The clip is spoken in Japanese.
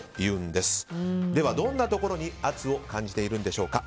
では、どんなところに圧を感じているんでしょうか。